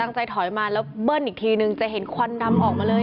ใจถอยมาแล้วเบิ้ลอีกทีนึงจะเห็นควันดำออกมาเลย